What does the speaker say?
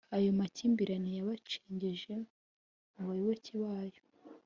ayo makimbirane bayacengeje mu bayoboke bayo.